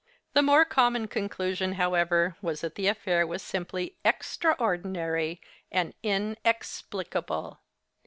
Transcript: The more common conclusion, however, was that the affair was, simply, X traordinary and in X plicable.